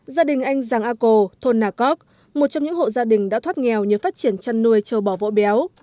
gia đình anh giang a cô thôn nà cóc một trong những hộ gia đình đã thoát nghèo như phát triển chăn nuôi trâu bò vỗ béo